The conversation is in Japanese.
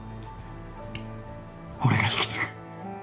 俺が引き継ぐ。